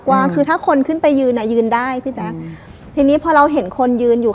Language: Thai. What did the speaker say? วางคือถ้าคนขึ้นไปยืนอ่ะยืนได้พี่แจ๊คทีนี้พอเราเห็นคนยืนอยู่